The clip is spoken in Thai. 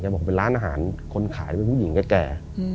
บอกเป็นร้านอาหารคนขายเป็นผู้หญิงแก่